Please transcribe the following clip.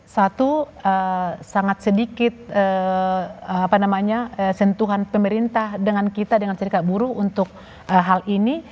satu sangat sedikit sentuhan pemerintah dengan kita dengan serikat buruh untuk hal ini